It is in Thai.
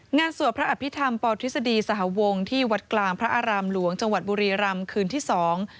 สวดพระอภิษฐรรมปทฤษฎีสหวงที่วัดกลางพระอารามหลวงจังหวัดบุรีรำคืนที่สอง